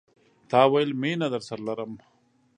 تا ويل، میینه درسره لرم